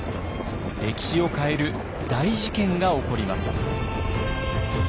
歴史を変える大事件が起こります。